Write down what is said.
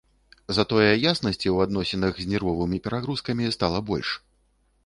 Затое яснасці ў адносінах з нервовымі перагрузкамі стала больш.